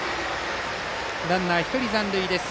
ランナー１人残塁です。